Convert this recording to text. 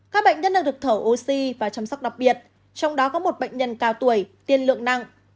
các bệnh nhân đang được thở oxy và chăm sóc đặc biệt trong đó có một bệnh nhân cao tuổi tiên lượng nặng